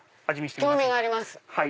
興味があります！